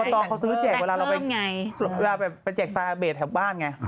ตอนนั้นอบตเขาซื้อแจกเวลาเราไปแจกสารเบสแถวบ้านไง